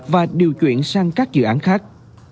và điều chuyển sang các dự án khác